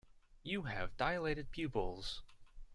You have dilated pupils.